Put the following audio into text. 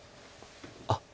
あっ。